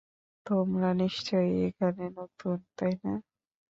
তোমরা নিশ্চয়ই এখানে নতুন, তাই না?